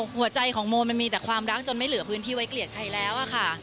หัวใจของโมมันมีแต่ความรักจนไม่เหลือพื้นที่ไว้เกลียดใครแล้วอะค่ะ